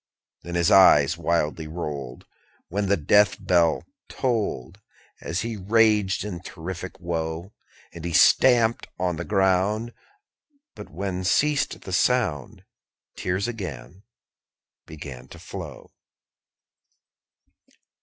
_25 5. Then his eyes wildly rolled, When the death bell tolled, And he raged in terrific woe. And he stamped on the ground, But when ceased the sound, _30 Tears again began to flow.